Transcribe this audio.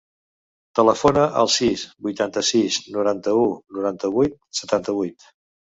Telefona al sis, vuitanta-sis, noranta-u, noranta-vuit, setanta-vuit.